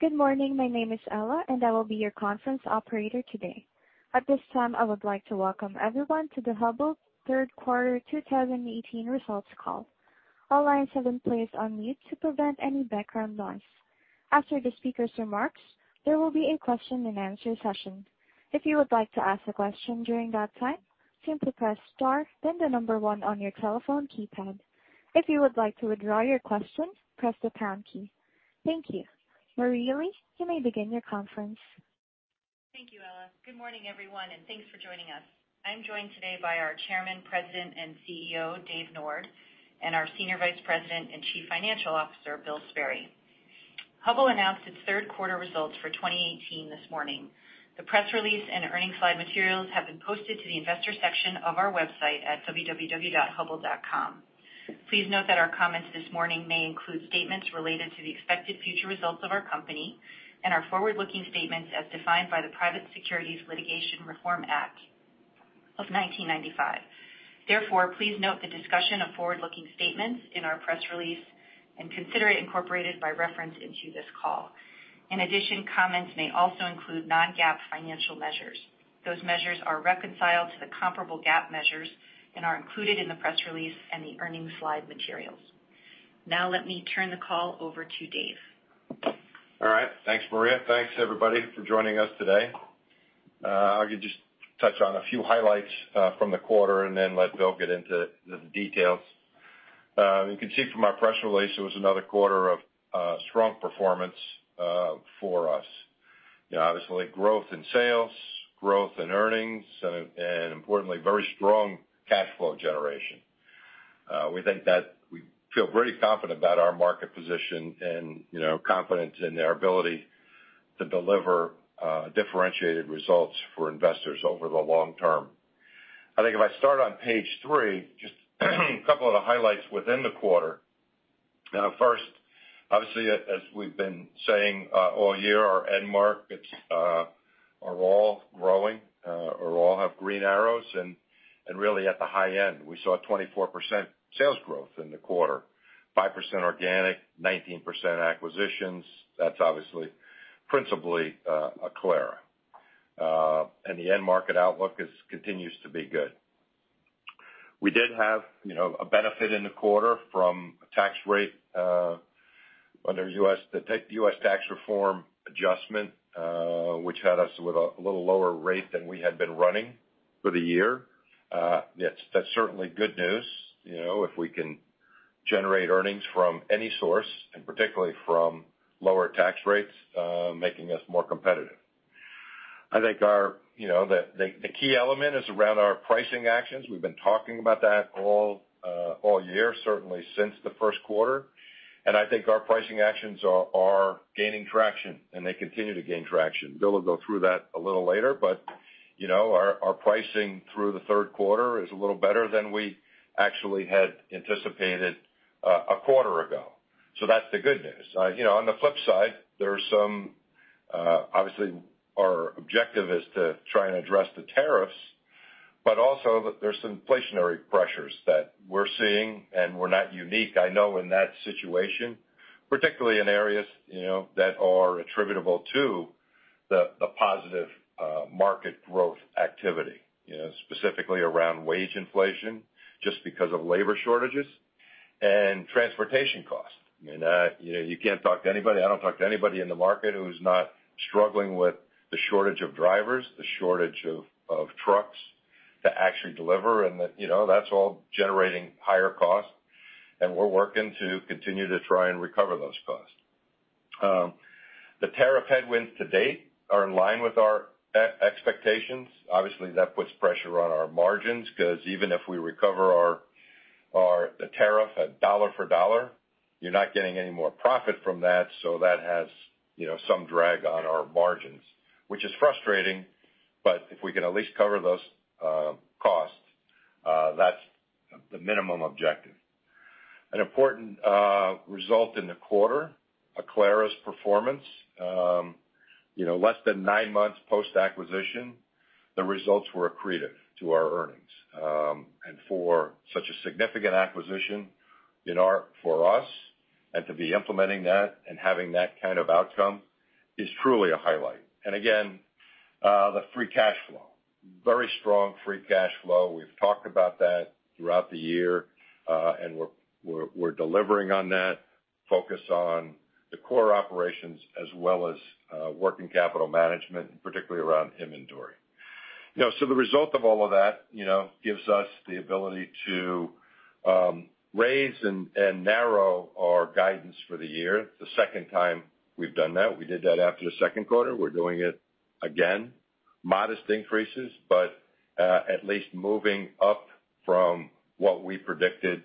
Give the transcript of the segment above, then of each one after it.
Good morning. My name is Ella, and I will be your conference operator today. At this time, I would like to welcome everyone to the Hubbell third quarter 2018 results call. All lines have been placed on mute to prevent any background noise. After the speaker's remarks, there will be a question and answer session. If you would like to ask a question during that time, simply press star, then the number 1 on your telephone keypad. If you would like to withdraw your question, press the pound key. Thank you. Maria, you may begin your conference. Thank you, Ella. Good morning, everyone, thanks for joining us. I'm joined today by our Chairman, President, and CEO, David Nord, and our Senior Vice President and Chief Financial Officer, William Sperry. Hubbell announced its third quarter results for 2018 this morning. The press release and earnings slide materials have been posted to the investor section of our website at www.hubbell.com. Please note that our comments this morning may include statements related to the expected future results of our company and are forward-looking statements as defined by the Private Securities Litigation Reform Act of 1995. Please note the discussion of forward-looking statements in our press release and consider it incorporated by reference into this call. Comments may also include non-GAAP financial measures. Those measures are reconciled to the comparable GAAP measures and are included in the press release and the earnings slide materials. Let me turn the call over to Dave. All right. Thanks, Maria. Thanks, everybody, for joining us today. I could just touch on a few highlights from the quarter, then let Bill get into the details. You can see from our press release, it was another quarter of strong performance for us. Obviously, growth in sales, growth in earnings, importantly, very strong cash flow generation. We feel very confident about our market position and confident in our ability to deliver differentiated results for investors over the long term. I think if I start on page three, just a couple of the highlights within the quarter. First, obviously, as we've been saying all year, our end markets are all growing, or all have green arrows, and really at the high end. We saw 24% sales growth in the quarter, 5% organic, 19% acquisitions. That's obviously principally Aclara. The end market outlook continues to be good. We did have a benefit in the quarter from tax rate under the U.S. tax reform adjustment, which had us with a little lower rate than we had been running for the year. That's certainly good news, if we can generate earnings from any source, and particularly from lower tax rates, making us more competitive. I think the key element is around our pricing actions. We've been talking about that all year, certainly since the first quarter. I think our pricing actions are gaining traction, and they continue to gain traction. Bill will go through that a little later, but our pricing through the third quarter is a little better than we actually had anticipated a quarter ago. That's the good news. On the flip side, obviously, our objective is to try and address the tariffs, but also there's some inflationary pressures that we're seeing, and we're not unique, I know, in that situation, particularly in areas that are attributable to the positive market growth activity, specifically around wage inflation, just because of labor shortages and transportation costs. You can't talk to anybody, I don't talk to anybody in the market who's not struggling with the shortage of drivers, the shortage of trucks to actually deliver. That's all generating higher costs, and we're working to continue to try and recover those costs. The tariff headwinds to date are in line with our expectations. Obviously, that puts pressure on our margins, because even if we recover the tariff dollar for dollar, you're not getting any more profit from that, so that has some drag on our margins. Which is frustrating, but if we can at least cover those costs, that's the minimum objective. An important result in the quarter, Aclara's performance. Less than nine months post-acquisition, the results were accretive to our earnings. For such a significant acquisition for us and to be implementing that and having that kind of outcome is truly a highlight. Again, the free cash flow. Very strong free cash flow. We've talked about that throughout the year, and we're delivering on that focus on the core operations as well as working capital management, particularly around inventory. The result of all of that gives us the ability to raise and narrow our guidance for the year. The second time we've done that. We did that after the second quarter. We're doing it again. Modest increases, but at least moving up from what we predicted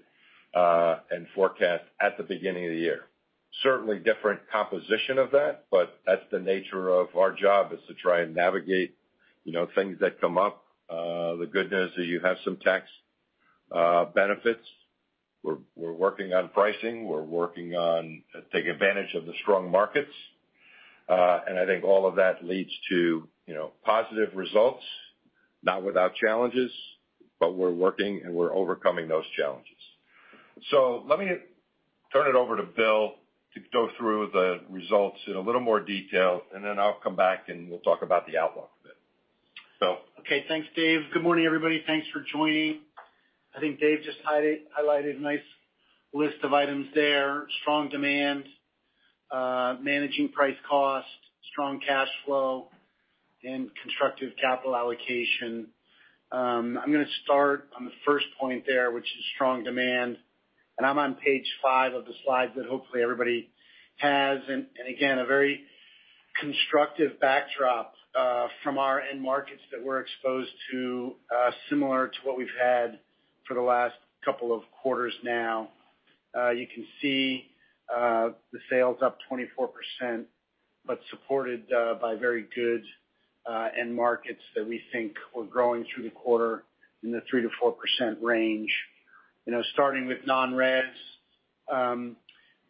and forecast at the beginning of the year. Certainly different composition of that, but that's the nature of our job is to try and navigate things that come up. The good news is you have some tax benefits. We're working on pricing. We're working on taking advantage of the strong markets. I think all of that leads to positive results. Not without challenges, but we're working, and we're overcoming those challenges. Let me turn it over to Bill to go through the results in a little more detail, and then I'll come back, and we'll talk about the outlook a bit. Bill? Okay. Thanks, Dave. Good morning, everybody. Thanks for joining. I think Dave just highlighted a nice list of items there. Strong demand, managing price cost, strong cash flow, and constructive capital allocation. I'm going to start on the first point there, which is strong demand. I'm on page five of the slides that hopefully everybody has. Again, a very constructive backdrop from our end markets that we're exposed to, similar to what we've had for the last couple of quarters now. You can see the sales up 24%, but supported by very good end markets that we think were growing through the quarter in the 3%-4% range. Starting with non-res,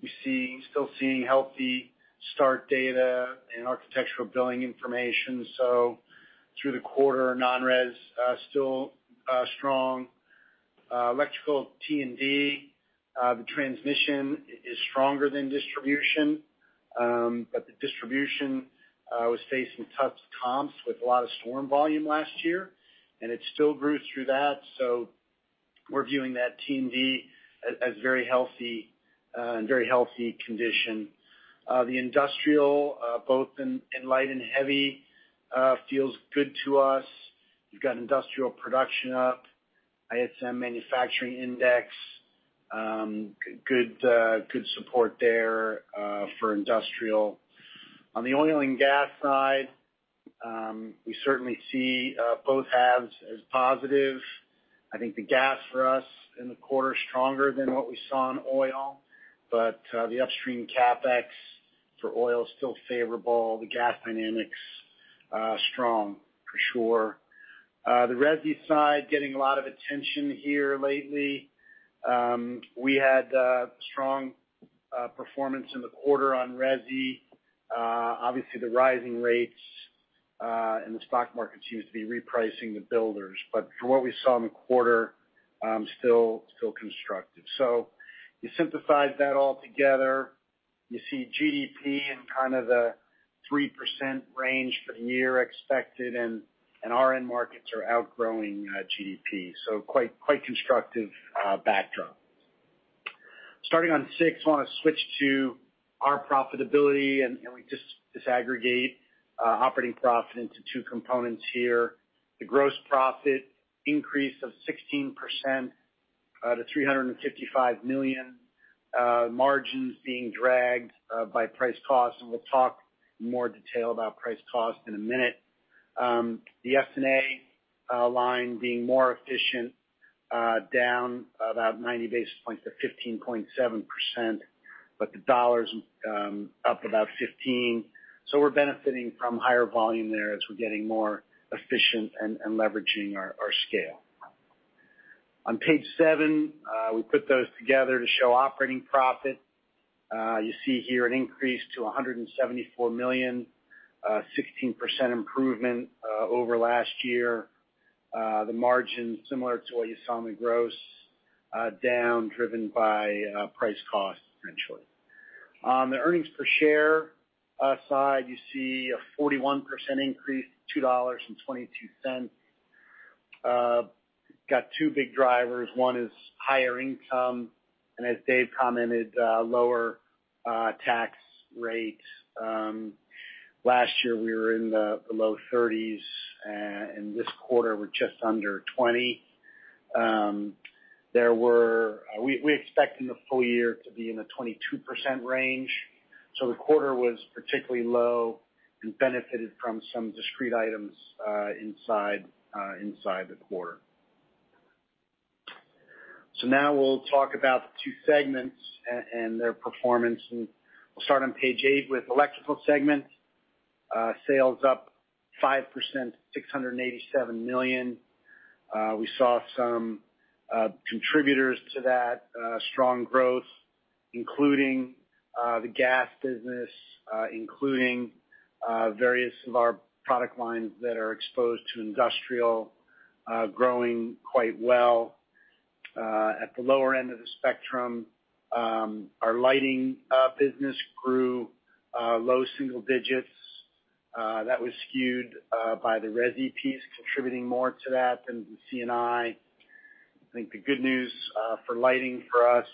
we still seeing healthy start data and architectural billing information. Through the quarter, non-res still strong. Electrical T&D, the transmission is stronger than distribution. The distribution was facing tough comps with a lot of storm volume last year, and it still grew through that, we're viewing that T&D as very healthy in very healthy condition. The industrial, both in light and heavy, feels good to us. You've got industrial production up, ISM Manufacturing Index, good support there for industrial. On the oil and gas side, we certainly see both halves as positive. I think the gas for us in the quarter is stronger than what we saw in oil. The upstream CapEx for oil is still favorable. The gas dynamics strong for sure. The resi side getting a lot of attention here lately. We had strong performance in the quarter on resi. Obviously, the rising rates, the stock markets used to be repricing the builders. From what we saw in the quarter, still constructive. You synthesize that all together. You see GDP in kind of the 3% range for the year expected, and our end markets are outgrowing GDP. Quite constructive backdrop. Starting on six, I want to switch to our profitability, we just disaggregate operating profit into two components here. The gross profit increase of 16% to $355 million. Margins being dragged by price cost, and we'll talk in more detail about price cost in a minute. The SG&A line being more efficient, down about 90 basis points to 15.7%, but the dollar's up about $15. We're benefiting from higher volume there as we're getting more efficient and leveraging our scale. On page seven, we put those together to show operating profit. You see here an increase to $174 million, a 16% improvement over last year. The margin, similar to what you saw on the gross, down driven by price cost essentially. On the earnings per share side, you see a 41% increase to $2.22. We got two big drivers. One is higher income, and as Dave commented, lower tax rate. Last year, we were in the low 30s, and this quarter we're just under 20. We expect in the full year to be in the 22% range. The quarter was particularly low and benefited from some discrete items inside the quarter. Now we'll talk about the two segments, and their performance, and we'll start on page eight with Electrical segment. Sales up 5% to $687 million. We saw some contributors to that strong growth, including the gas business, including various of our product lines that are exposed to industrial growing quite well. At the lower end of the spectrum, our lighting business grew low single digits. That was skewed by the resi piece contributing more to that than the C&I. I think the good news for lighting for us,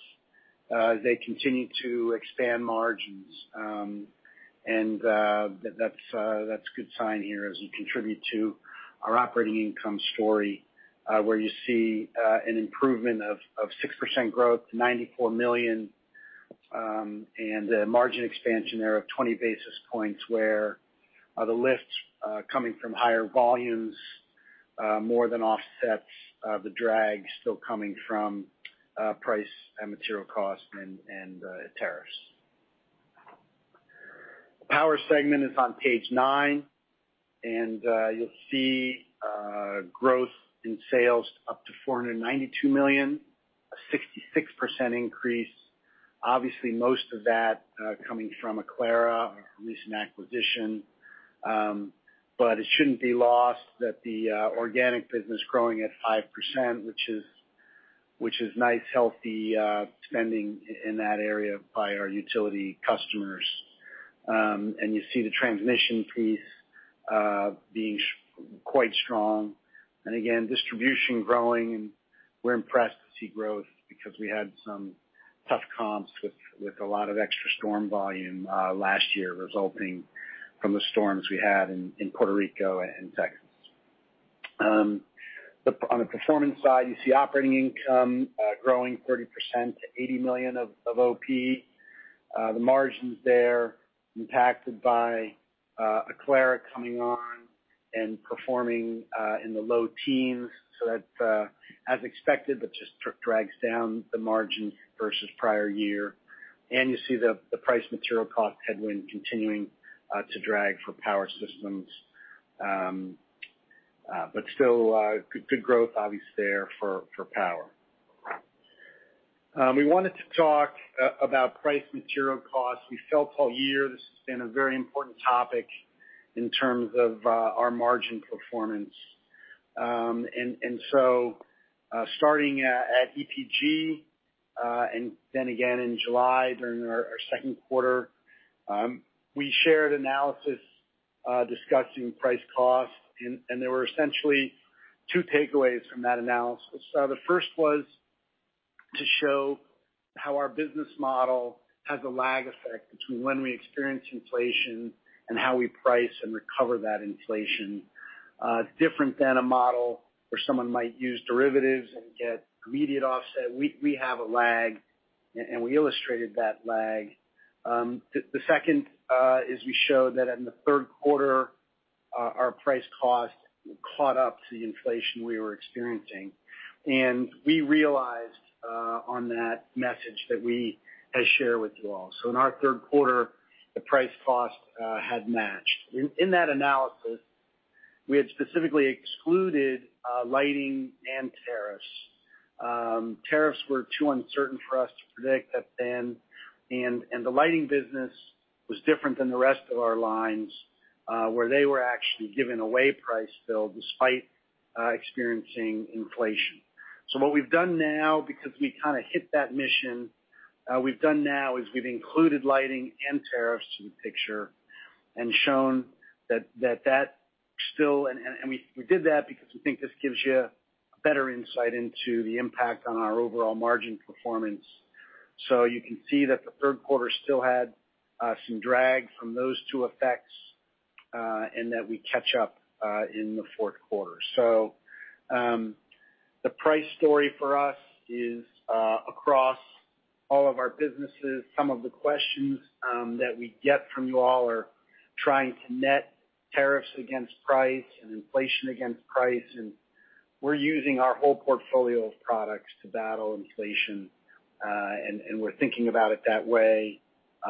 they continue to expand margins. That's a good sign here as we contribute to our operating income story, where you see an improvement of 6% growth to $94 million, and a margin expansion there of 20 basis points where the lift coming from higher volumes more than offsets the drag still coming from price and material cost and tariffs. The Power segment is on page nine. You'll see growth in sales up to $492 million, a 66% increase. Obviously, most of that coming from Aclara, a recent acquisition. It shouldn't be lost that the organic business growing at 5%, which is nice, healthy spending in that area by our utility customers. You see the transmission piece being quite strong. Again, distribution growing, and we're impressed to see growth because we had some tough comps with a lot of extra storm volume last year resulting from the storms we had in Puerto Rico and Texas. On the performance side, you see operating income growing 30% to $80 million of OP. The margins there impacted by Aclara coming on and performing in the low teens. That's as expected, but just drags down the margin versus prior year. You see the price material cost headwind continuing to drag for power systems. Still good growth, obviously, there for power. We wanted to talk about price material costs. We felt all year this has been a very important topic in terms of our margin performance. Starting at EPG, then again in July during our second quarter, we shared analysis discussing price cost, and there were essentially two takeaways from that analysis. The first was to show how our business model has a lag effect between when we experience inflation and how we price and recover that inflation. It's different than a model where someone might use derivatives and get immediate offset. We have a lag, and we illustrated that lag. The second is we showed that in the third quarter, our price cost caught up to the inflation we were experiencing. We realized on that message that we had shared with you all. In our third quarter, the price cost had matched. In that analysis, we had specifically excluded lighting and tariffs. Tariffs were too uncertain for us to predict back then. The lighting business was different than the rest of our lines, where they were actually given away a price bill despite experiencing inflation. What we've done now, because we kind of hit that mission, we've done now is we've included lighting and tariffs in the picture and shown that. We did that because we think this gives you a better insight into the impact on our overall margin performance. You can see that the third quarter still had some drag from those two effects, and that we catch up in the fourth quarter. The price story for us is across all of our businesses. Some of the questions that we get from you all are trying to net tariffs against price and inflation against price. We're using our whole portfolio of products to battle inflation. We're thinking about it that way.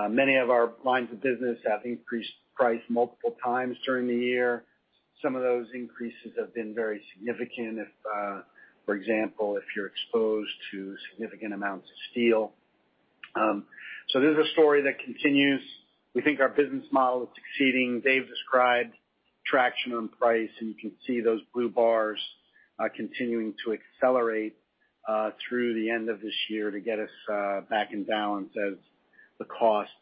Many of our lines of business have increased price multiple times during the year. Some of those increases have been very significant, for example, if you're exposed to significant amounts of steel. This is a story that continues. We think our business model is succeeding. Dave described traction on price. You can see those blue bars continuing to accelerate through the end of this year to get us back in balance as the costs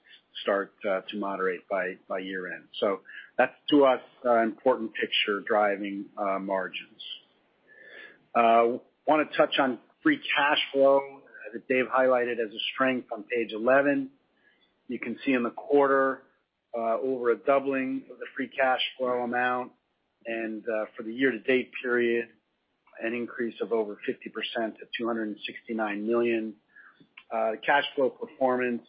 start to moderate by year-end. That's, to us, an important picture driving margins. Want to touch on free cash flow that Dave highlighted as a strength on page 11. You can see in the quarter over a doubling of the free cash flow amount, for the year-to-date period, an increase of over 50% to $269 million. Cash flow performance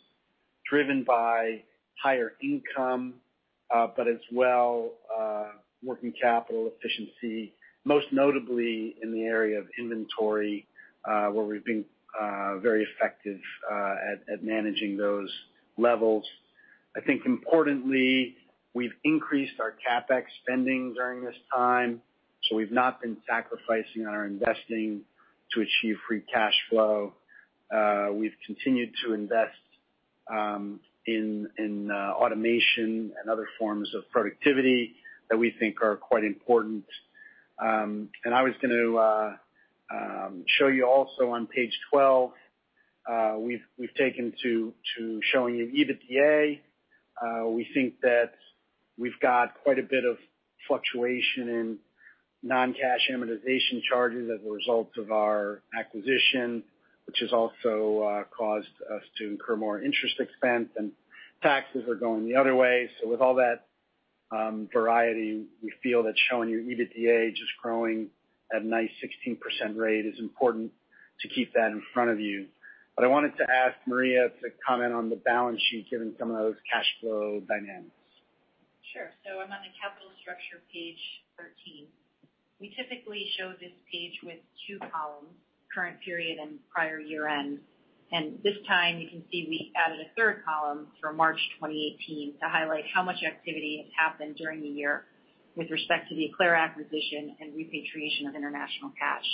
driven by higher income, but as well working capital efficiency, most notably in the area of inventory, where we've been very effective at managing those levels. I think importantly, we've increased our CapEx spending during this time, so we've not been sacrificing on our investing to achieve free cash flow. We've continued to invest in automation and other forms of productivity that we think are quite important. I was going to show you also on page 12, we've taken to showing you EBITDA. We think that we've got quite a bit of fluctuation in non-cash amortization charges as a result of our acquisition, which has also caused us to incur more interest expense. Taxes are going the other way. With all that variety, we feel that showing you EBITDA just growing at a nice 16% rate is important to keep that in front of you. I wanted to ask Maria to comment on the balance sheet, given some of those cash flow dynamics. Sure. I'm on the capital structure, page 13. We typically show this page with two columns, current period and prior year-end. This time you can see we added a third column for March 2018 to highlight how much activity has happened during the year with respect to the Aclara acquisition and repatriation of international cash.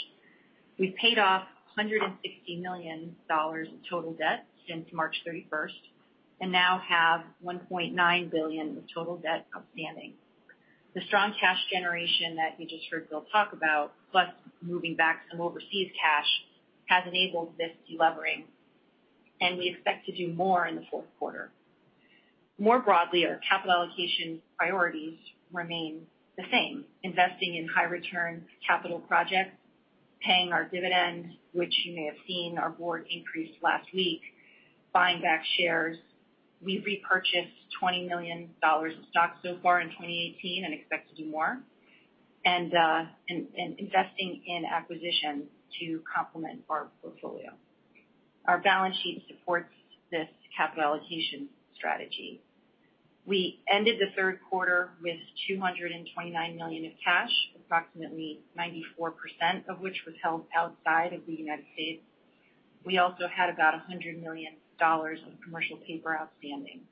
We've paid off $160 million of total debt since March 31st and now have $1.9 billion of total debt outstanding. The strong cash generation that you just heard Bill talk about, plus moving back some overseas cash, has enabled this de-levering, and we expect to do more in the fourth quarter. More broadly, our capital allocation priorities remain the same: investing in high return capital projects, paying our dividends, which you may have seen our board increase last week, buying back shares. We've repurchased $20 million of stock so far in 2018 and expect to do more. Investing in acquisitions to complement our portfolio. Our balance sheet supports this capital allocation strategy. We ended the third quarter with $229 million of cash, approximately 94% of which was held outside of the United States. We also had about $100 million of commercial paper outstanding.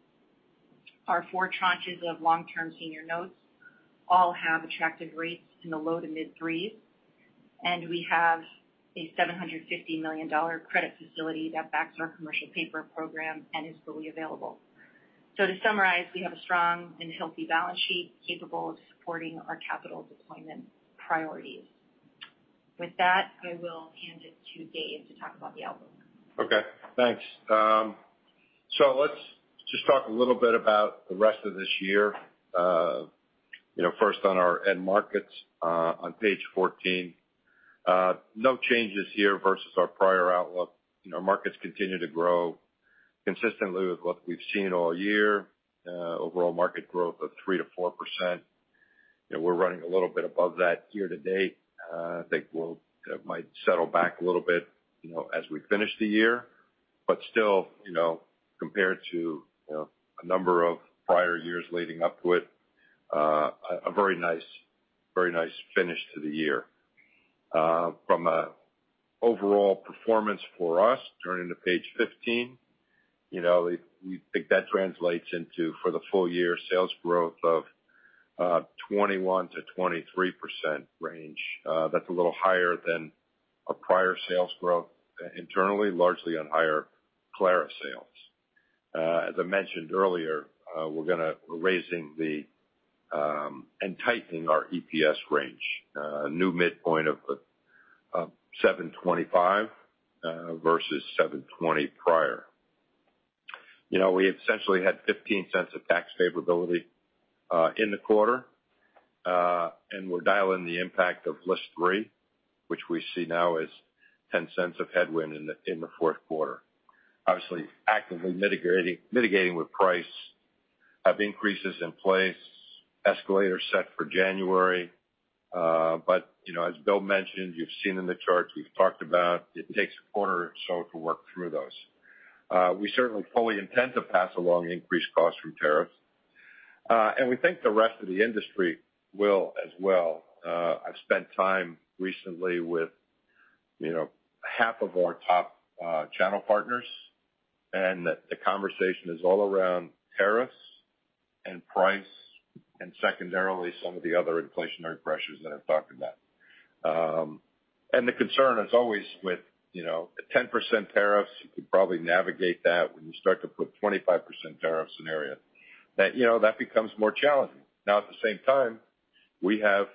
Our 4 tranches of long-term senior notes all have attractive rates in the low to mid threes, and we have a $750 million credit facility that backs our commercial paper program and is fully available. To summarize, we have a strong and healthy balance sheet capable of supporting our capital deployment priorities. With that, I will hand it to Dave to talk about the outlook. Okay, thanks. Let's just talk a little bit about the rest of this year. First on our end markets, on page 14. No changes here versus our prior outlook. Our markets continue to grow consistently with what we've seen all year. Overall market growth of 3% to 4%. We're running a little bit above that year-to-date. I think that might settle back a little bit as we finish the year. Still, compared to a number of prior years leading up to it, a very nice finish to the year. From an overall performance for us, turning to page 15, we think that translates into, for the full year, sales growth of 21%-23% range. That's a little higher than our prior sales growth internally, largely on higher Aclara sales. As I mentioned earlier, we're raising and tightening our EPS range. A new midpoint of $7.25 versus $7.20 prior. We essentially had $0.15 of tax favorability in the quarter. We're dialing the impact of List 3, which we see now as $0.10 of headwind in the fourth quarter. Obviously, actively mitigating with price. Have increases in place, escalator set for January. As Bill mentioned, you've seen in the charts, we've talked about, it takes a quarter or so to work through those. We certainly fully intend to pass along increased costs from tariffs. We think the rest of the industry will as well. I've spent time recently with half of our top channel partners, the conversation is all around tariffs and price, and secondarily, some of the other inflationary pressures that I've talked about. The concern is always with 10% tariffs, you could probably navigate that. When you start to put 25% tariff scenario, that becomes more challenging. At the same time, we have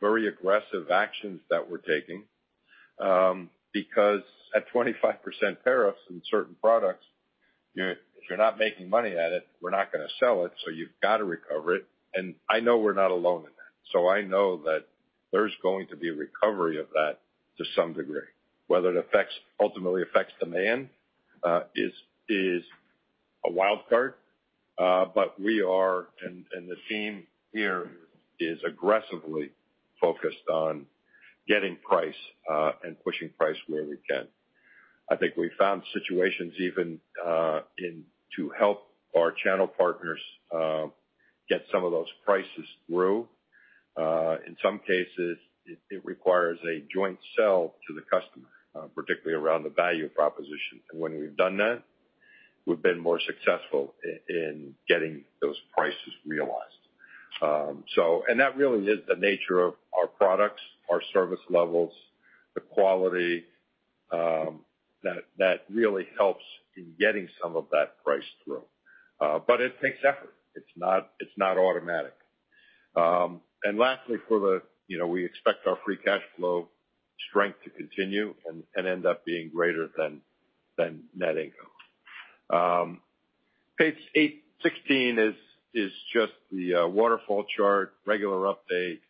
very aggressive actions that we're taking, because at 25% tariffs in certain products, if you're not making money at it, we're not going to sell it, so you've got to recover it. I know we're not alone in that. I know that there's going to be a recovery of that to some degree. Whether it ultimately affects demand is a wild card. We are, and the team here is aggressively focused on getting price and pushing price where we can. I think we found situations even to help our channel partners get some of those prices through. In some cases, it requires a joint sell to the customer, particularly around the value proposition. When we've done that, we've been more successful in getting those prices realized. That really is the nature of our products, our service levels, the quality that really helps in getting some of that price through. It takes effort. It's not automatic. Lastly, we expect our free cash flow strength to continue and end up being greater than net income. Page 16 is just the waterfall chart, regular update.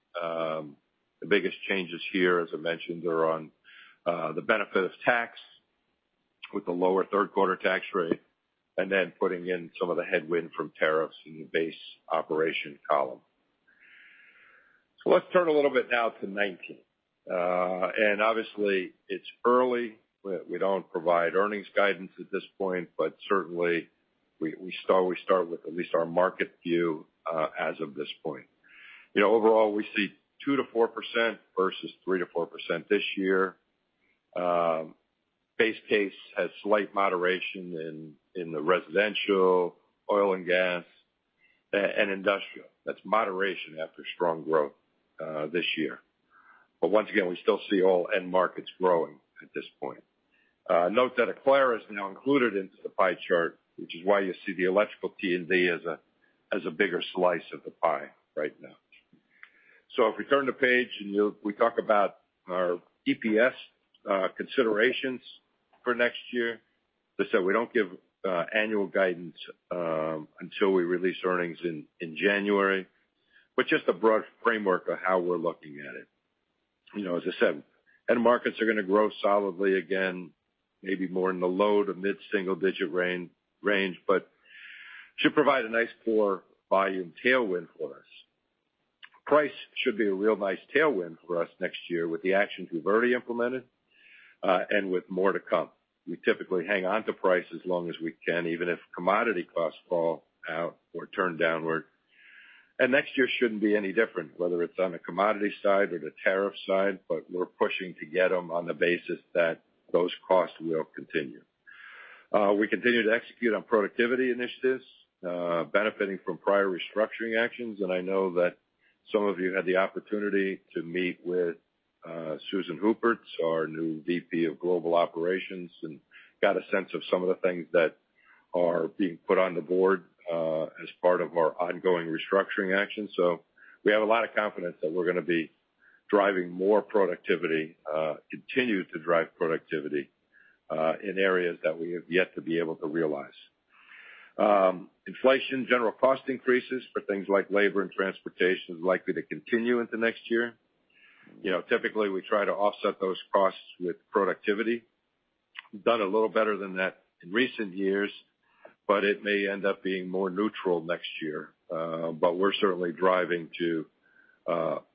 The biggest changes here, as I mentioned, are on the benefit of tax with the lower third quarter tax rate, and then putting in some of the headwind from tariffs in the base operation column. Let's turn a little bit now to 2019. Obviously, it's early. We don't provide earnings guidance at this point, but certainly we start with at least our market view as of this point. Overall, we see 2%-4% versus 3%-4% this year. Base case has slight moderation in the residential oil and gas and industrial. That's moderation after strong growth this year. Once again, we still see all end markets growing at this point. Note that Aclara is now included into the pie chart, which is why you see the electrical T&D as a bigger slice of the pie right now. If we turn the page and we talk about our EPS considerations for next year. As I said, we don't give annual guidance until we release earnings in January, but just a broad framework of how we're looking at it. As I said, end markets are going to grow solidly again, maybe more in the low to mid-single digit range, but should provide a nice core volume tailwind for us. Price should be a real nice tailwind for us next year with the actions we've already implemented, with more to come. We typically hang on to price as long as we can, even if commodity costs fall out or turn downward. Next year shouldn't be any different, whether it's on the commodity side or the tariff side, we're pushing to get them on the basis that those costs will continue. We continue to execute on productivity initiatives, benefiting from prior restructuring actions, I know that some of you had the opportunity to meet with Susan Huppertz, our new VP of Global Operations, and got a sense of some of the things that are being put on the board as part of our ongoing restructuring action. We have a lot of confidence that we're going to be driving more productivity, continue to drive productivity, in areas that we have yet to be able to realize. Inflation, general cost increases for things like labor and transportation is likely to continue into next year. Typically, we try to offset those costs with productivity. We've done a little better than that in recent years, but it may end up being more neutral next year. We're certainly driving to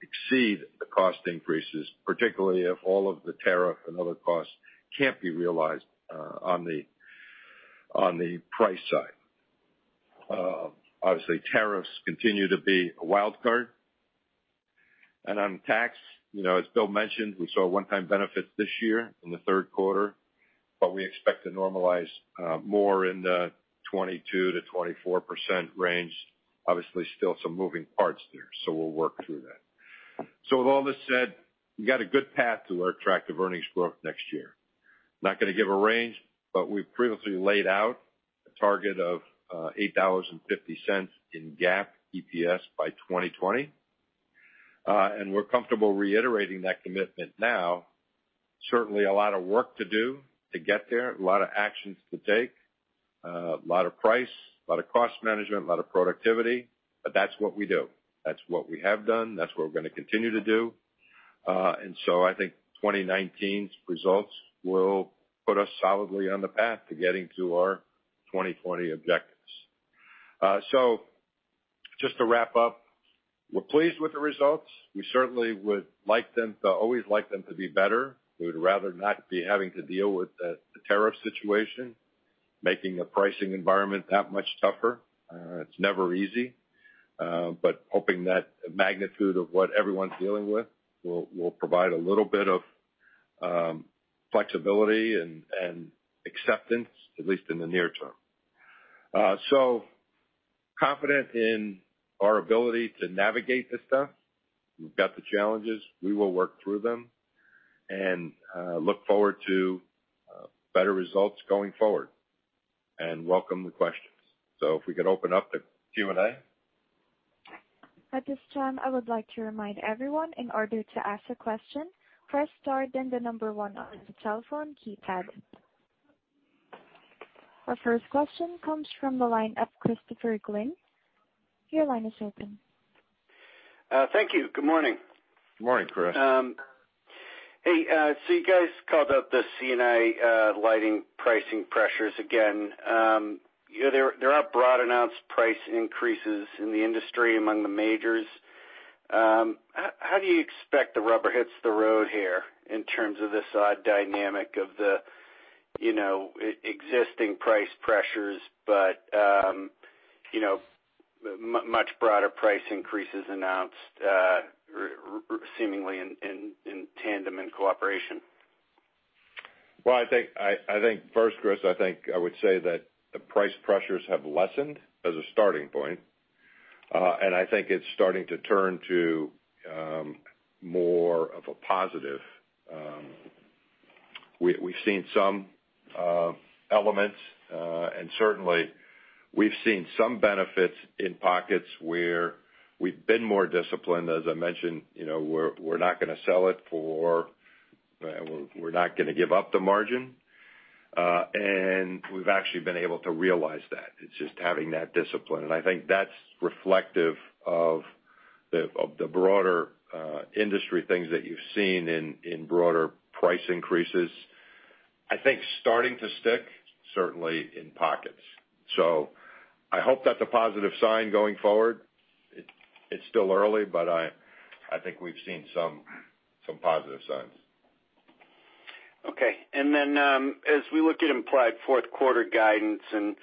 exceed the cost increases, particularly if all of the tariff and other costs can't be realized on the price side. Tariffs continue to be a wild card. On tax, as Bill mentioned, we saw a one-time benefit this year in the third quarter, but we expect to normalize more in the 22%-24% range. Still some moving parts there, so we'll work through that. With all this said, we've got a good path to our attractive earnings growth next year. Not going to give a range, but we've previously laid out a target of $8.50 in GAAP EPS by 2020. We're comfortable reiterating that commitment now. Certainly a lot of work to do to get there, a lot of actions to take, a lot of price, a lot of cost management, a lot of productivity, but that's what we do. That's what we have done. That's what we're going to continue to do. I think 2019's results will put us solidly on the path to getting to our 2020 objectives. Just to wrap up, we're pleased with the results. We certainly would always like them to be better. We would rather not be having to deal with the tariff situation, making the pricing environment that much tougher. It's never easy, hoping that the magnitude of what everyone's dealing with will provide a little bit of flexibility and acceptance, at least in the near term. Confident in our ability to navigate this stuff. We've got the challenges. We will work through them and look forward to better results going forward. Welcome the questions. If we could open up the Q&A. At this time, I would like to remind everyone, in order to ask a question, press star then the number 1 on your telephone keypad. Our first question comes from the line of Christopher Glenn. Your line is open. Thank you. Good morning. Good morning, Chris. Hey, you guys called out the C&I lighting pricing pressures again. There are broad announced price increases in the industry among the majors. How do you expect the rubber hits the road here in terms of this dynamic of the existing price pressures, but much broader price increases announced seemingly in tandem in cooperation? First, Chris, I think I would say that the price pressures have lessened as a starting point. I think it's starting to turn to more of a positive. We've seen some elements, and certainly we've seen some benefits in pockets where we've been more disciplined. As I mentioned, we're not going to give up the margin. We've actually been able to realize that. It's just having that discipline, and I think that's reflective of the broader industry things that you've seen in broader price increases. I think starting to stick, certainly in pockets. I hope that's a positive sign going forward. It's still early, but I think we've seen some positive signs. Okay. As we look at implied fourth quarter guidance, and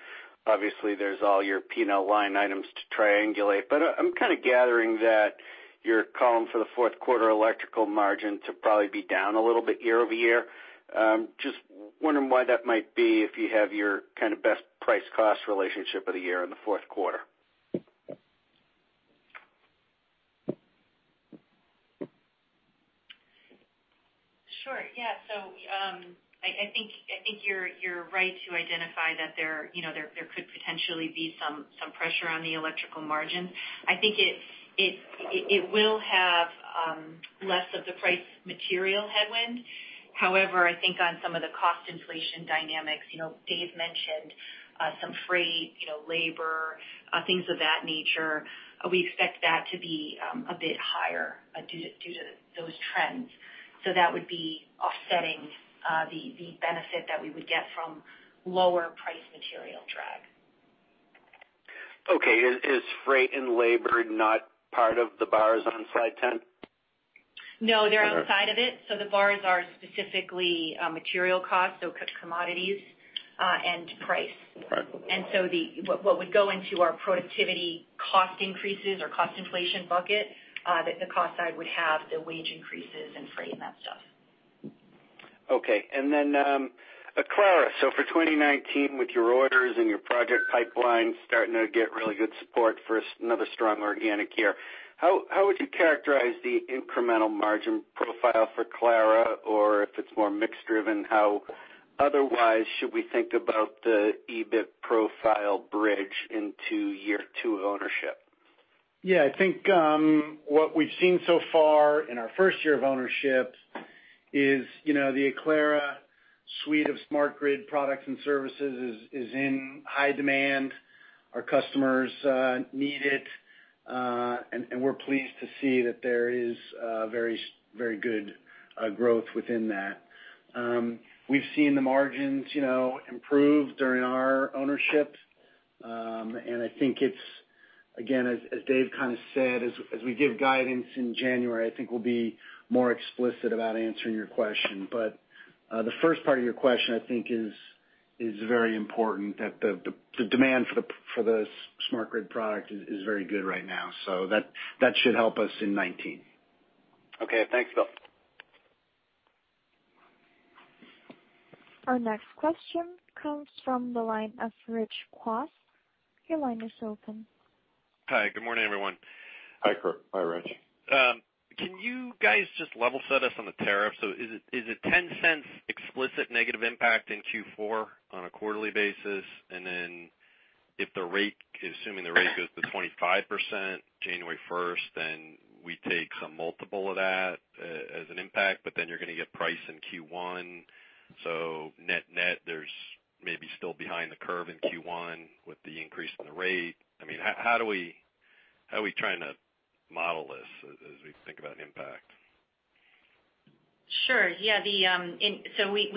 obviously there's all your P&L line items to triangulate, but I'm kind of gathering that you're calling for the fourth quarter electrical margin to probably be down a little bit year-over-year. Just wondering why that might be if you have your best price-cost relationship of the year in the fourth quarter. Sure. Yeah. I think you're right to identify that there could potentially be some pressure on the electrical margin. I think it will have less of the price material headwind. However, I think on some of the cost inflation dynamics, Dave mentioned some freight, labor, things of that nature. We expect that to be a bit higher due to those trends. That would be offsetting the benefit that we would get from lower price material drag. Okay. Is freight and labor not part of the bars on slide 10? No, they're outside of it. The bars are specifically material costs, so commodities, and price. Price. Okay. What would go into our productivity cost increases or cost inflation bucket, the cost side would have the wage increases and freight and that stuff. Okay. Aclara, so for 2019, with your orders and your project pipeline starting to get really good support for another strong organic year, how would you characterize the incremental margin profile for Aclara? Or if it's more mix-driven, how otherwise should we think about the EBIT profile bridge into year two of ownership? Yeah, I think what we've seen so far in our first year of ownership is the Aclara suite of smart grid products and services is in high demand. Our customers need it. We're pleased to see that there is very good growth within that. We've seen the margins improve during our ownership. I think it's, again, as Dave kind of said, as we give guidance in January, I think we'll be more explicit about answering your question. The first part of your question, I think is very important, that the demand for the smart grid product is very good right now, so that should help us in 2019. Okay. Thanks, Bill. Our next question comes from the line of Rich Kwas. Your line is open. Hi, good morning, everyone. Hi, Rich. Can you guys just level set us on the tariff? Is it $0.10 explicit negative impact in Q4 on a quarterly basis? If the rate, assuming the rate goes to 25% January 1, we take some multiple of that as an impact, you're going to get price in Q1. Net-net, there's maybe still behind the curve in Q1 with the increase in the rate. How are we trying to model this as we think about impact? Sure. Yeah. We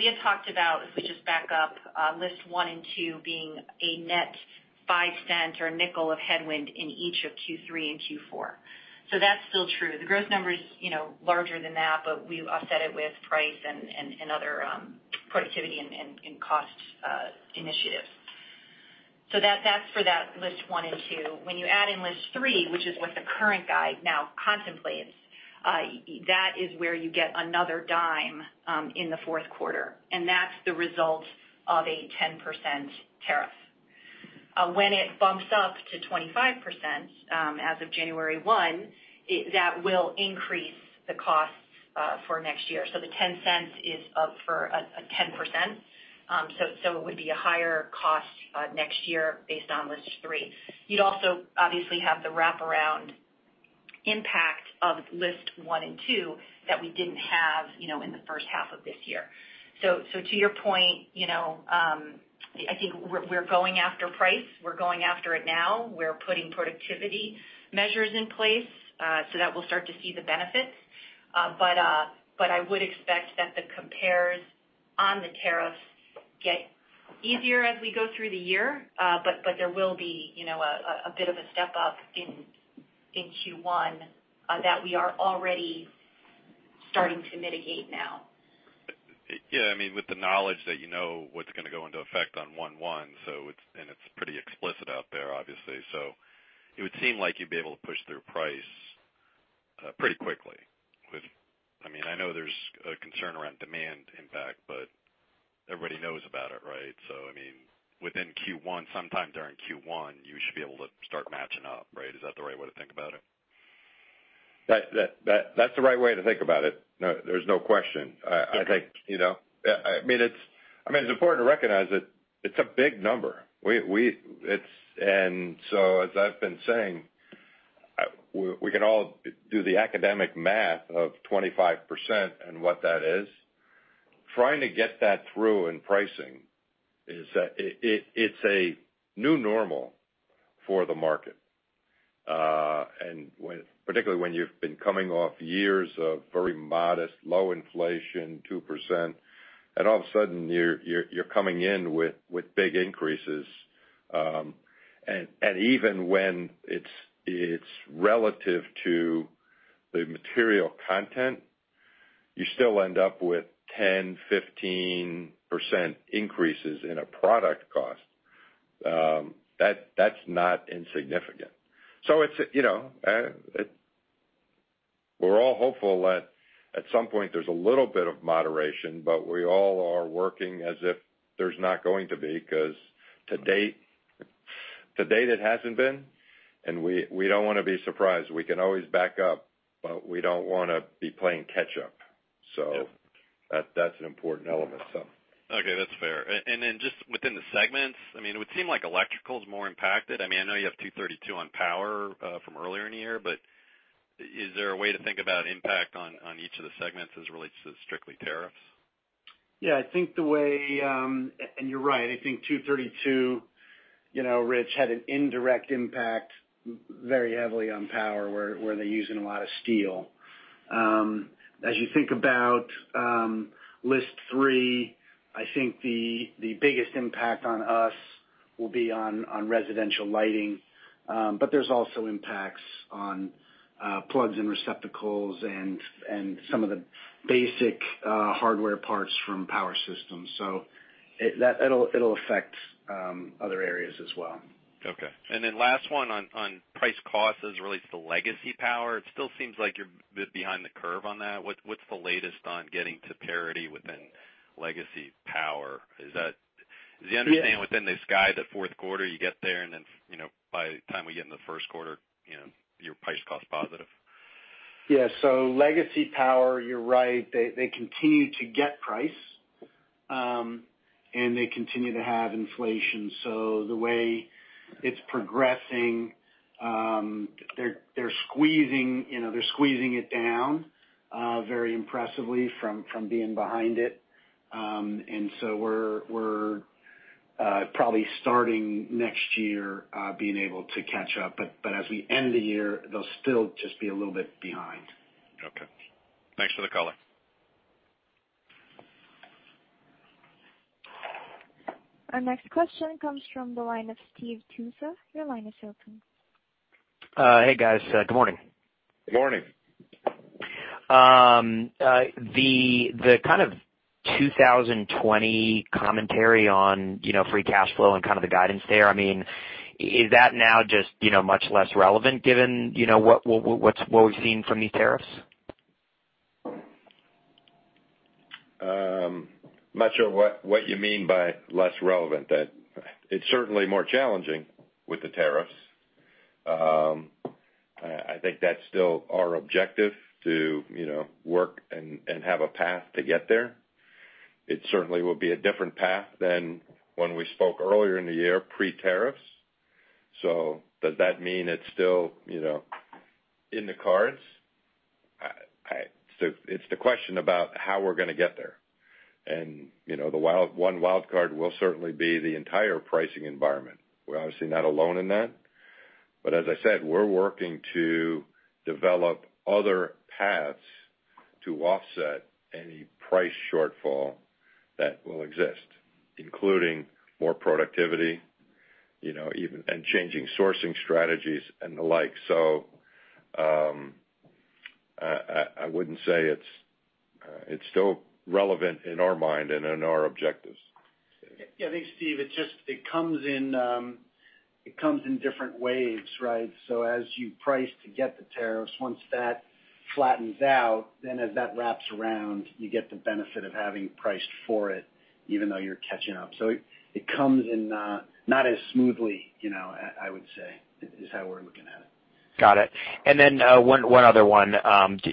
had talked about, if we just back up, List 1 and 2 being a net $0.05 or a $0.05 of headwind in each of Q3 and Q4. That's still true. The gross number is larger than that, we offset it with price and other productivity and cost initiatives. That's for that List 1 and 2. You add in List 3, which is what the current guide now contemplates, that is where you get another $0.10 in the fourth quarter, and that's the result of a 10% tariff. When it bumps up to 25% as of January 1, that will increase the cost for next year. The $0.10 is up for 10%. It would be a higher cost next year based on List 3. You'd also obviously have the wraparound impact of List 1 and 2 that we didn't have in the first half of this year. To your point, I think we're going after price. We're going after it now. We're putting productivity measures in place so that we'll start to see the benefits. I would expect that the compares on the tariffs get easier as we go through the year, there will be a bit of a step up in Q1 that we are already starting to mitigate now. Yeah. With the knowledge that you know what's going to go into effect on 1/1, it's pretty explicit out there, obviously. It would seem like you'd be able to push through price pretty quickly with. I know there's a concern around demand impact, everybody knows about it, right? Within Q1, sometime during Q1, you should be able to start matching up, right? Is that the right way to think about it? That's the right way to think about it. There's no question. Okay. It's important to recognize that it's a big number. As I've been saying, we can all do the academic math of 25% and what that is. Trying to get that through in pricing, it's a new normal for the market. Particularly when you've been coming off years of very modest low inflation, 2%, and all of a sudden you're coming in with big increases. Even when it's relative to The material content, you still end up with 10%-15% increases in a product cost. That's not insignificant. We're all hopeful that at some point there's a little bit of moderation, but we all are working as if there's not going to be, because to date, it hasn't been, and we don't want to be surprised. We can always back up, we don't want to be playing catch up. Yeah. That's an important element. Okay, that's fair. Just within the segments, it would seem like electrical is more impacted. I know you have 232 on power from earlier in the year, is there a way to think about impact on each of the segments as it relates to strictly tariffs? Yeah, you're right. I think 232, Rich, had an indirect impact very heavily on power, where they're using a lot of steel. As you think about List 3, I think the biggest impact on us will be on residential lighting. There's also impacts on plugs and receptacles and some of the basic hardware parts from power systems. It'll affect other areas as well. Okay. Last one on price cost as it relates to legacy power. It still seems like you're a bit behind the curve on that. What's the latest on getting to parity within legacy power? Is the understanding within this guide that fourth quarter you get there, by the time we get in the first quarter, your price cost positive? Yeah. Legacy power, you're right. They continue to get price, and they continue to have inflation. The way it's progressing, they're squeezing it down very impressively from being behind it. We're probably starting next year being able to catch up, but as we end the year, they'll still just be a little bit behind. Okay. Thanks for the color. Our next question comes from the line of Steve Tusa. Your line is open. Hey, guys. Good morning. Good morning. The kind of 2020 commentary on free cash flow and kind of the guidance there, is that now just much less relevant given what we've seen from these tariffs? I'm not sure what you mean by less relevant. It's certainly more challenging with the tariffs. I think that's still our objective to work and have a path to get there. It certainly will be a different path than when we spoke earlier in the year pre-tariffs. Does that mean it's still in the cards? It's the question about how we're going to get there. One wildcard will certainly be the entire pricing environment. We're obviously not alone in that. As I said, we're working to develop other paths to offset any price shortfall that will exist, including more productivity, and changing sourcing strategies and the like. I wouldn't say it's still relevant in our mind and in our objectives. Yeah, I think Steve, it comes in different waves, right? As you price to get the tariffs, once that flattens out, then as that wraps around, you get the benefit of having priced for it, even though you're catching up. It comes in not as smoothly, I would say, is how we're looking at it. Got it. Then, one other one.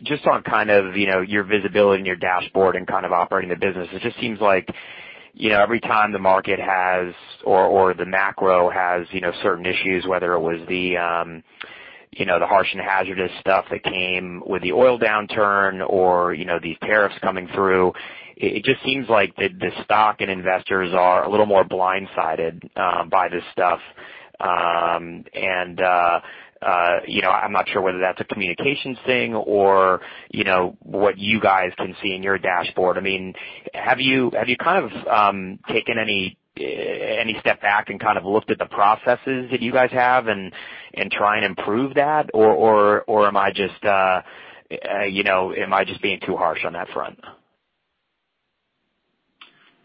Just on kind of your visibility and your dashboard and kind of operating the business, it just seems like every time the market has or the macro has certain issues, whether it was the harsh and hazardous stuff that came with the oil downturn or these tariffs coming through, it just seems like the stock and investors are a little more blindsided by this stuff. I'm not sure whether that's a communications thing or what you guys can see in your dashboard. Have you kind of taken any step back and kind of looked at the processes that you guys have and try and improve that? Or am I just being too harsh on that front?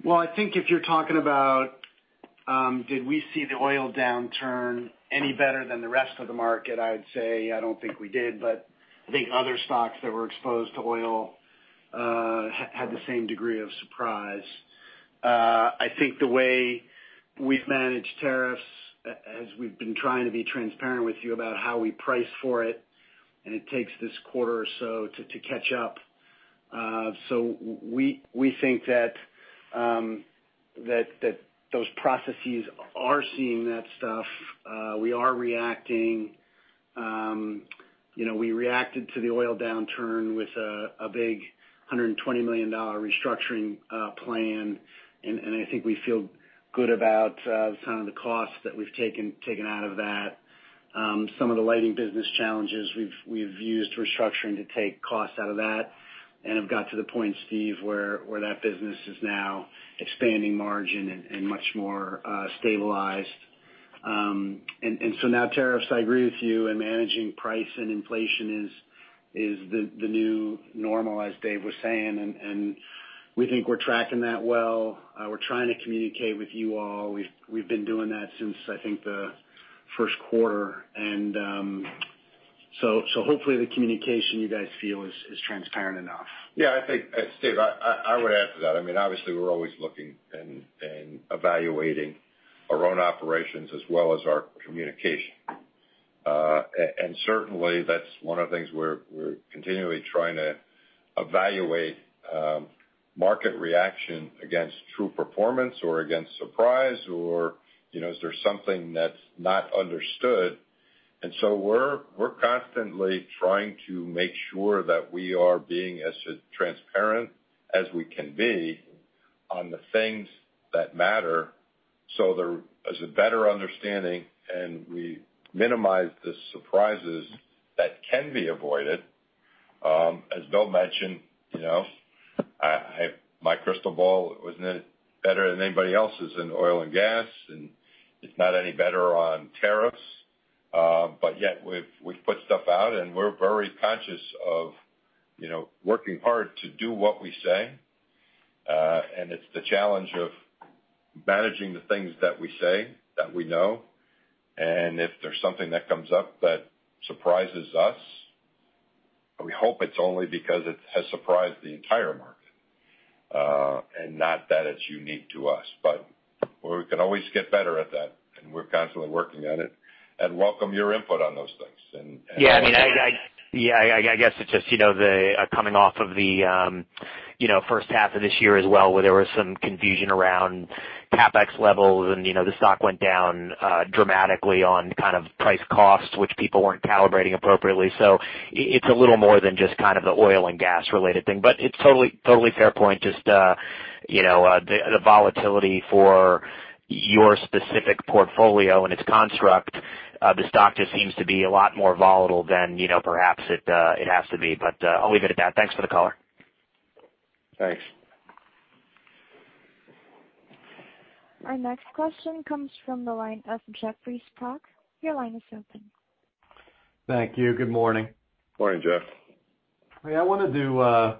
I think if you're talking about did we see the oil downturn any better than the rest of the market? I'd say I don't think we did, but I think other stocks that were exposed to oil had the same degree of surprise. I think the way we've managed tariffs, as we've been trying to be transparent with you about how we price for it takes this quarter or so to catch up. We think that those processes are seeing that stuff. We are reacting. We reacted to the oil downturn with a big $120 million restructuring plan, and I think we feel good about the kind of the costs that we've taken out of that. Some of the lighting business challenges, we've used restructuring to take costs out of that, and have got to the point, Steve, where that business is now expanding margin and much more stabilized. Now tariffs, I agree with you, and managing price and inflation is the new normal, as Dave was saying, and we think we're tracking that well. We're trying to communicate with you all. We've been doing that since, I think, the first quarter. Hopefully the communication you guys feel is transparent enough. Yeah, I think, Steve, I would add to that. Obviously, we're always looking and evaluating our own operations as well as our communication. Certainly, that's one of the things we're continually trying to evaluate market reaction against true performance or against surprise, or is there something that's not understood. We're constantly trying to make sure that we are being as transparent as we can be on the things that matter so there is a better understanding, and we minimize the surprises that can be avoided. As Bill mentioned, my crystal ball wasn't any better than anybody else's in oil and gas, and it's not any better on tariffs. Yet we've put stuff out, and we're very conscious of working hard to do what we say. It's the challenge of managing the things that we say that we know. If there's something that comes up that surprises us, we hope it's only because it has surprised the entire market, and not that it's unique to us. We can always get better at that, and we're constantly working on it, and welcome your input on those things. I guess it's just coming off of the first half of this year as well, where there was some confusion around CapEx levels, the stock went down dramatically on kind of price costs, which people weren't calibrating appropriately. It's a little more than just kind of the oil and gas related thing, it's totally fair point. Just the volatility for your specific portfolio and its construct, the stock just seems to be a lot more volatile than perhaps it has to be. I'll leave it at that. Thanks for the color. Thanks. Our next question comes from the line of Jeffrey Sprague. Your line is open. Thank you. Good morning. Morning, Jeff. I wanted to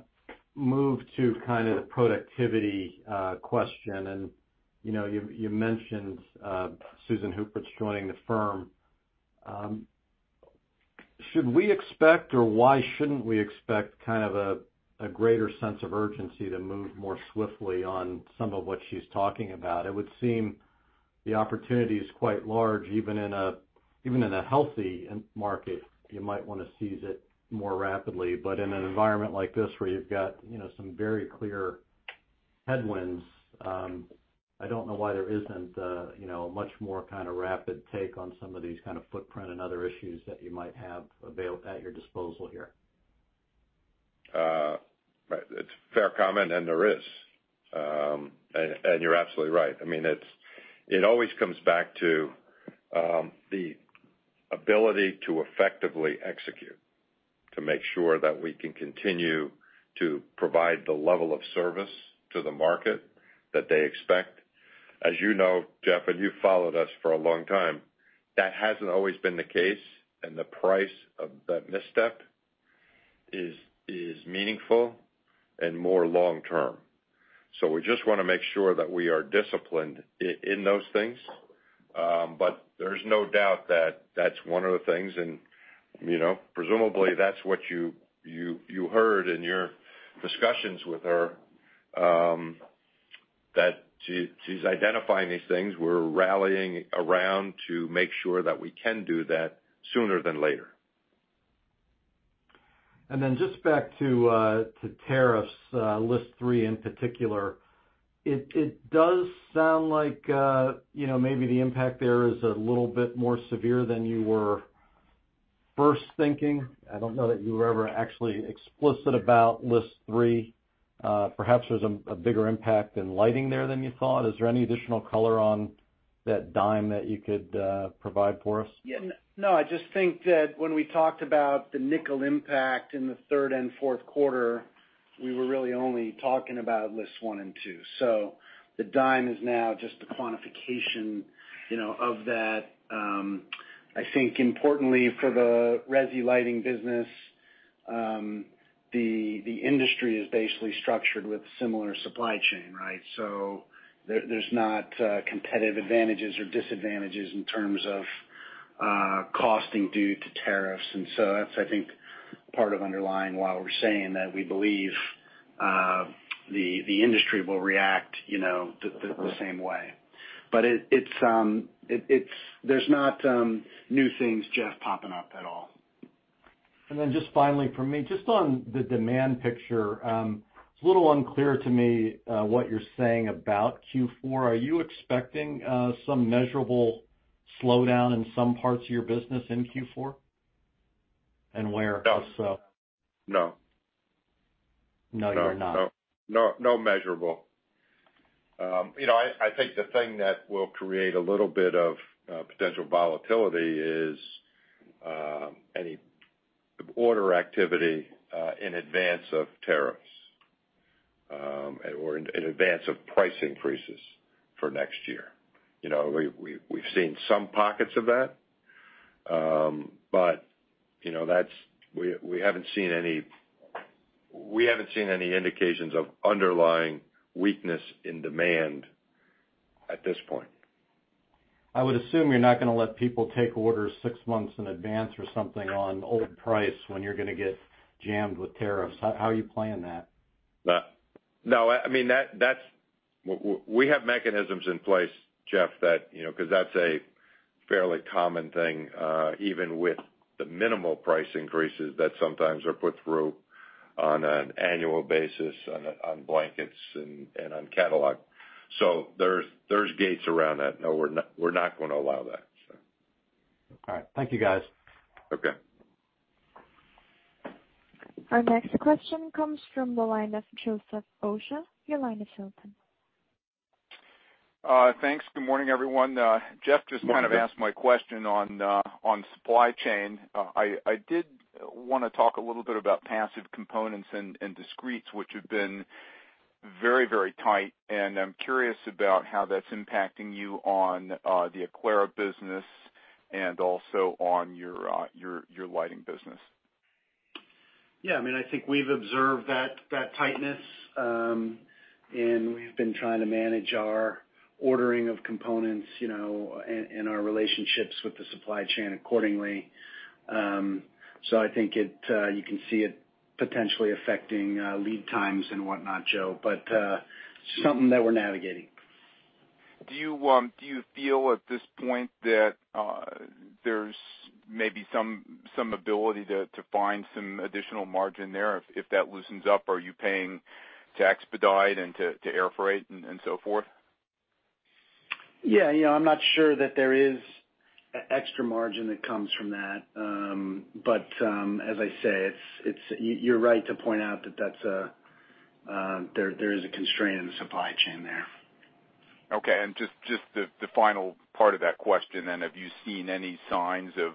move to kind of the productivity question. You mentioned Susan Huppertz's joining the firm. Should we expect, or why shouldn't we expect kind of a greater sense of urgency to move more swiftly on some of what she's talking about? It would seem the opportunity is quite large. Even in a healthy market, you might want to seize it more rapidly. In an environment like this, where you've got some very clear headwinds, I don't know why there isn't a much more kind of rapid take on some of these kind of footprint and other issues that you might have at your disposal here. Right. It's a fair comment, and there is. You're absolutely right. It always comes back to the ability to effectively execute, to make sure that we can continue to provide the level of service to the market that they expect. As you know, Jeff, and you've followed us for a long time, that hasn't always been the case, and the price of that misstep is meaningful and more long-term. We just want to make sure that we are disciplined in those things. There's no doubt that that's one of the things, and presumably that's what you heard in your discussions with her, that she's identifying these things. We're rallying around to make sure that we can do that sooner than later. Just back to tariffs, List 3 in particular. It does sound like maybe the impact there is a little bit more severe than you were first thinking. I don't know that you were ever actually explicit about List 3. Perhaps there's a bigger impact in lighting there than you thought. Is there any additional color on that dime that you could provide for us? No, I just think that when we talked about the nickel impact in the third and fourth quarter, we were really only talking about Lists 1 and 2. The dime is now just the quantification of that. I think importantly for the resi lighting business, the industry is basically structured with similar supply chain, right? There's not competitive advantages or disadvantages in terms of costing due to tariffs. That's, I think, part of underlying why we're saying that we believe the industry will react the same way. There's not new things just popping up at all. Just finally from me, just on the demand picture. It's a little unclear to me what you're saying about Q4. Are you expecting some measurable slowdown in some parts of your business in Q4? And where if so? No. No, you're not. No measurable. I think the thing that will create a little bit of potential volatility is any order activity in advance of tariffs in advance of price increases for next year. We've seen some pockets of that, but we haven't seen any indications of underlying weakness in demand at this point. I would assume you're not going to let people take orders six months in advance or something on old price when you're going to get jammed with tariffs. How are you planning that? No. We have mechanisms in place, Jeff, because that's a fairly common thing, even with the minimal price increases that sometimes are put through on an annual basis on blankets and on catalog. There's gates around that. No, we're not going to allow that. All right. Thank you, guys. Okay. Our next question comes from the line of Joseph Osha. Your line is open. Thanks. Good morning, everyone. Good morning, Dave. Jeff just kind of asked my question on supply chain. I did want to talk a little bit about passive components and discretes, which have been very tight, and I'm curious about how that's impacting you on the Aclara business and also on your lighting business. Yeah, I think we've observed that tightness, and we've been trying to manage our ordering of components, and our relationships with the supply chain accordingly. I think you can see it potentially affecting lead times and whatnot, Joe, but something that we're navigating. Do you feel at this point that there's maybe some ability to find some additional margin there if that loosens up, or are you paying to expedite and to air freight and so forth? Yeah. I'm not sure that there is extra margin that comes from that. But as I say, you're right to point out that there is a constraint in the supply chain there. Okay. Just the final part of that question then, have you seen any signs of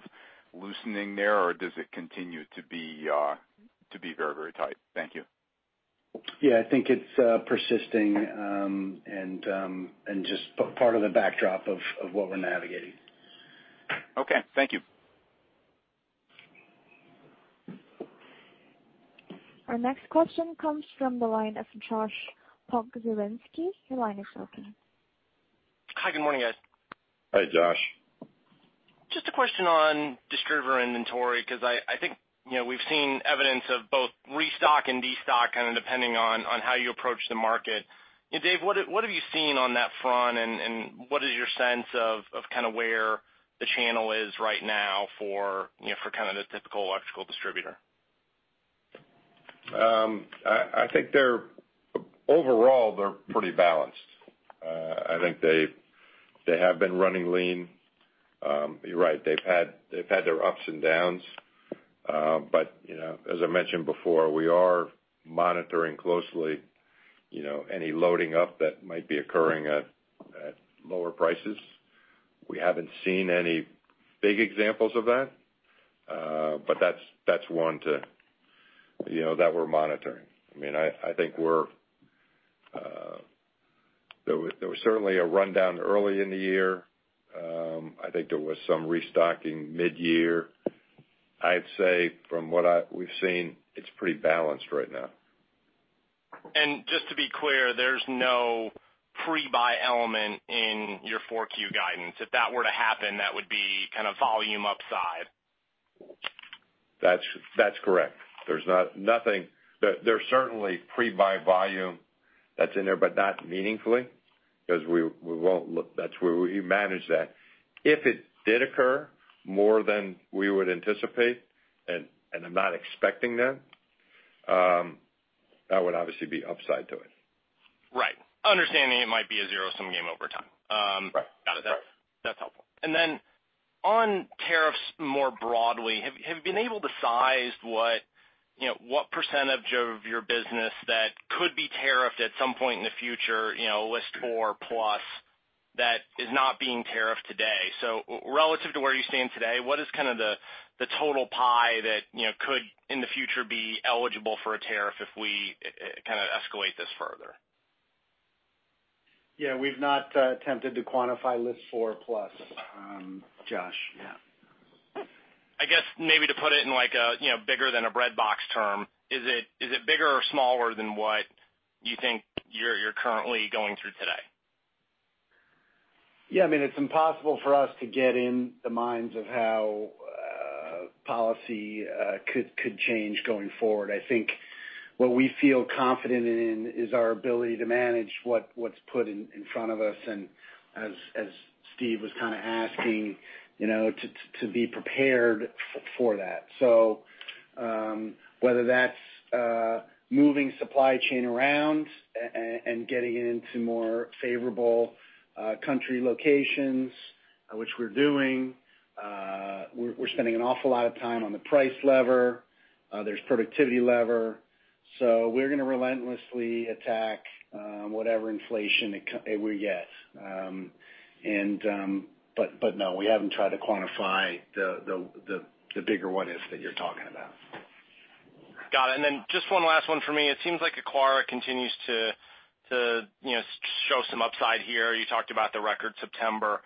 loosening there, or does it continue to be very tight? Thank you. Yeah, I think it's persisting, and just part of the backdrop of what we're navigating. Okay, thank you. Our next question comes from the line of Josh Pokrzywinski. Your line is open. Hi, good morning, guys. Hi, Josh. Just a question on distributor inventory, because I think we've seen evidence of both restock and destock, kind of depending on how you approach the market. Dave, what have you seen on that front, and what is your sense of kind of where the channel is right now for kind of the typical electrical distributor? I think overall, they're pretty balanced. I think they have been running lean. You're right, they've had their ups and downs. As I mentioned before, we are monitoring closely any loading up that might be occurring at lower prices. We haven't seen any big examples of that, but that's one that we're monitoring. There was certainly a rundown early in the year. I think there was some restocking mid-year. I'd say from what we've seen, it's pretty balanced right now. Just to be clear, there's no pre-buy element in your 4Q guidance. If that were to happen, that would be kind of volume upside. That's correct. There's certainly pre-buy volume that's in there, but not meaningfully, because we manage that. If it did occur more than we would anticipate, and I'm not expecting that would obviously be upside to it. Right. Understanding it might be a zero-sum game over time. Right. Got it. That's helpful. On tariffs more broadly, have you been able to size what % of your business that could be tariffed at some point in the future, List 4 plus that is not being tariffed today? Relative to where you stand today, what is kind of the total pie that could, in the future, be eligible for a tariff if we kind of escalate this further? We've not attempted to quantify List 4 plus, Josh. I guess maybe to put it in like a bigger than a breadbox term, is it bigger or smaller than what you think you're currently going through today? It's impossible for us to get in the minds of how policy could change going forward. I think what we feel confident in is our ability to manage what's put in front of us and as Steve was kind of asking, to be prepared for that. Whether that's moving supply chain around and getting it into more favorable country locations, which we're doing. We're spending an awful lot of time on the price lever. There's productivity lever. We're going to relentlessly attack on whatever inflation we get. No, we haven't tried to quantify the bigger what-ifs that you're talking about. Got it. Just one last one for me. It seems like Aclara continues to show some upside here. You talked about the record September.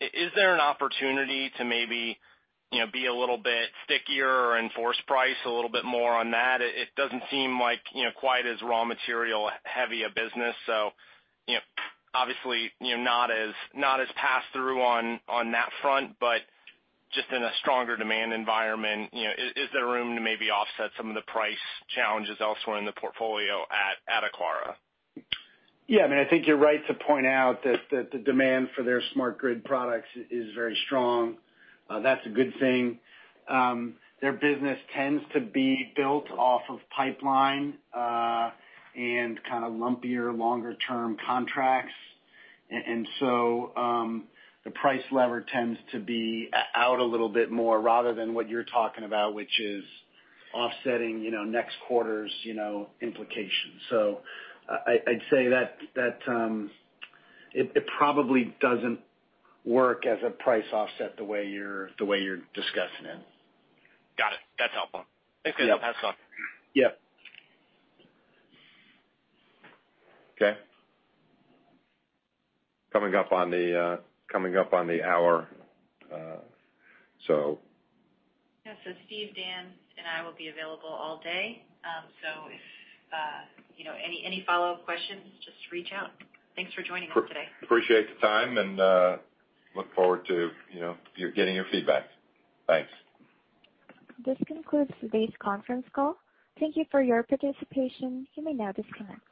Is there an opportunity to maybe be a little bit stickier or enforce price a little bit more on that? It doesn't seem like quite as raw material heavy a business. Obviously, not as pass through on that front, but just in a stronger demand environment, is there room to maybe offset some of the price challenges elsewhere in the portfolio at Aclara? Yeah. I think you're right to point out that the demand for their smart grid products is very strong. That's a good thing. Their business tends to be built off of pipeline, and kind of lumpier longer-term contracts. The price lever tends to be out a little bit more rather than what you're talking about, which is offsetting next quarter's implications. I'd say that it probably doesn't work as a price offset the way you're discussing it. Got it. That's helpful. Thanks, Dave. Pass it on. Yeah. Okay. Coming up on the hour. Yeah. Steve, Dan, and I will be available all day. If any follow-up questions, just reach out. Thanks for joining us today. Appreciate the time and look forward to getting your feedback. Thanks. This concludes today's conference call. Thank you for your participation. You may now disconnect.